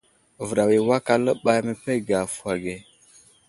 Vəraw i awak aləɓay məpege avohw age.